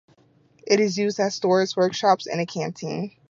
It was used as stores, workshops and a canteen.